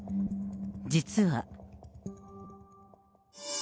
実は。